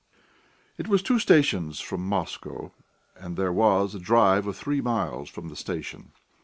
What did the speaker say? It was two stations from Moscow, and there was a drive of three miles from the station.